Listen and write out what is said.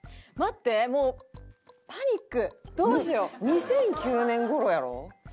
２００９年頃やろ？